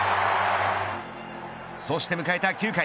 そして迎えた９回。